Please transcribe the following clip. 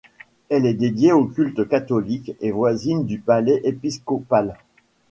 Elle est dédiée au culte catholique et voisine du palais épiscopal.